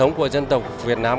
sống của dân tộc việt nam